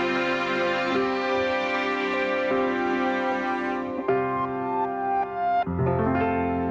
โปรดติดตามตอนต่อไป